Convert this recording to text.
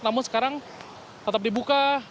namun sekarang tetap dibuka